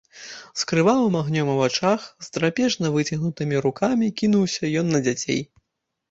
З крывавым агнём у вачах, з драпежна выцягнутымі рукамі кінуўся ён на дзяцей.